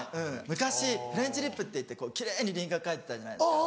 昔フレンチリップっていって奇麗に輪郭描いてたじゃないですか。